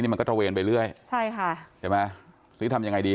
มันก็ตระเวนไปเรื่อยใช่ค่ะใช่ไหมหรือทำยังไงดี